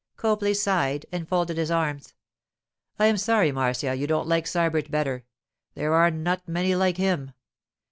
Copley sighed and folded his arms. 'I am sorry, Marcia, you don't like Sybert better. There are not many like him.